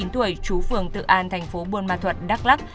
năm mươi chín tuổi chú phường tự an thành phố buôn ma thuật đắk lắc